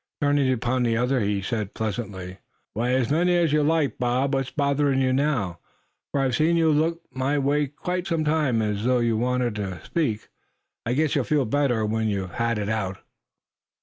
Turning upon the other, he said, pleasantly: "Why, as many as you like, Bob; what's bothering you now; for I've seen you looking my way quite some time, as though you wanted to speak. I guess you'll feel better when you've had it out."